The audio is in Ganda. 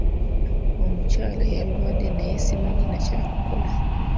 Omukyala yalwadde naye simanyi na kyakukola.